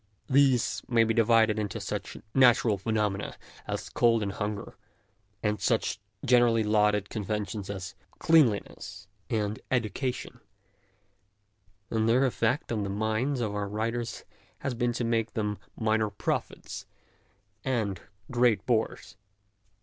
These may be divided into such natural phenomena as cold and hunger, and such generally lauded conventions as cleanliness and education, and their effect on the minds of our writers has been to make them minor prophets and great bores.